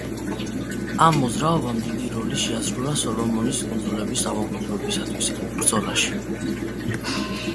ამ მოძრაობამ დიდი როლი შეასრულა სოლომონის კუნძულების დამოუკიდებლობისთვის ბრძოლაში.